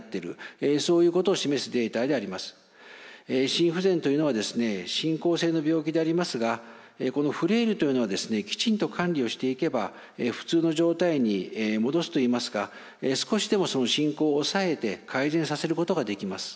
心不全というのは進行性の病気でありますがフレイルというのはきちんと管理をしていけば普通の状態に戻すといいますか少しでも進行を抑えて改善させることができます。